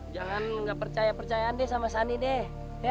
jangan ga percaya percayaan deh sama sani deh